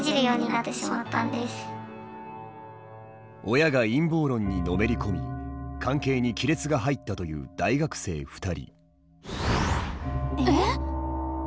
親が陰謀論にのめり込み関係に亀裂が入ったという大学生２人。